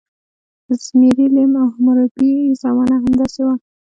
د زیمري لیم او حموربي زمانه همداسې وه.